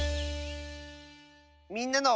「みんなの」。